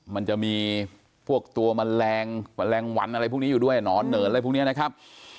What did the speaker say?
มันจะมีพวกตัวแมลงแมลงหวันอะไรพวกนี้อยู่ด้วยหนอนเหนินอะไรพวกนี้นะครับ